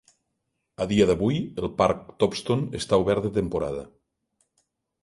A dia d'avui el parc Topstone està obert de temporada.